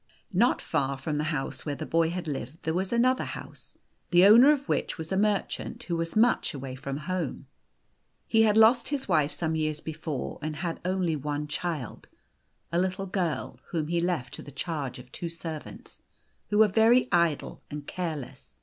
o Not far from the house where the boy had lived, there was another house, the owner of which was a merchant, who was much away from home. He had lost his wife some years before, and had only one child, a little girl, whom he left to the charge of two servants, who were very idle and careless.